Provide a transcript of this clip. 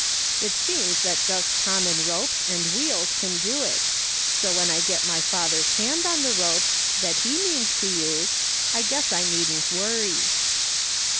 It seems that just common ropes and wheels can do it, so when I get my Father's hand on the ropes that he means to use, I guess I needn't worry.'